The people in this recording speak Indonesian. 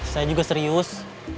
saya juga serius